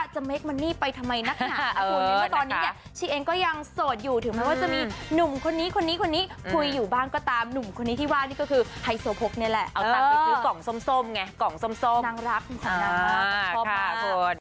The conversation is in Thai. เชียงก็ยังโสดอยู่ถึงมีหนุ่มคนนี้พุยอยู่บ้างก็ตามหนุ่มคนนี้ที่ว่านี่ก็คือไฮโซโพกเนี่ยแหละเอาตังไปซื้อกล่องส้มไงกล่องส้มนางรักนางรักชอบมาก